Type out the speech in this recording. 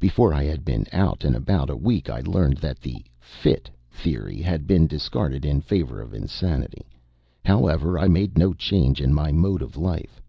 Before I had been out and about a week I learned that the "fit" theory had been discarded in favor of insanity. However, I made no change in my mode of life.